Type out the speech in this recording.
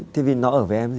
thế vì nó ở với em gì